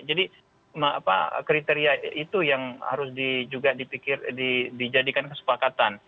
jadi kriteria itu yang harus juga dijadikan kesepakatan